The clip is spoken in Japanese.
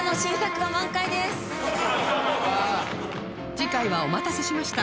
次回はお待たせしました！